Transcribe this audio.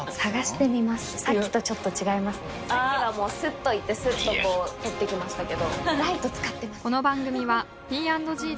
さっきはもうスッと行ってスッと取ってきましたけど。